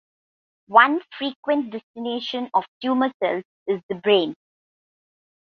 One frequent destination of tumor cells is the brain.